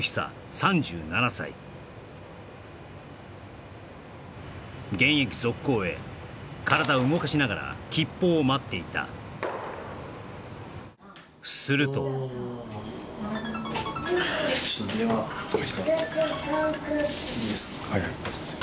３７歳現役続行へ体を動かしながら吉報を待っていたするとすいません